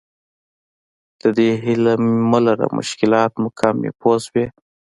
د دې هیله مه لره مشکلات مو کم وي پوه شوې!.